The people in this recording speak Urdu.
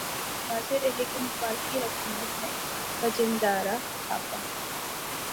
واضح رہے کہ نیپال کی حکومت نے کھجیندرا تھاپا